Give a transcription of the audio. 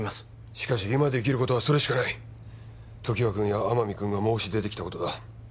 しかし今できることはそれしかない常盤君や天海君が申し出てきたことだ